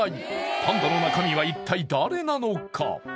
パンダの中身は一体誰なのか？